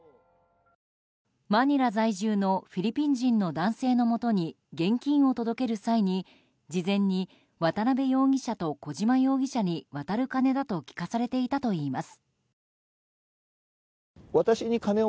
マニラ在住のフィリピン人の男性のもとに現金を届ける際に事前に渡邉容疑者と小島容疑者に渡る金だと聞かされていたといいます。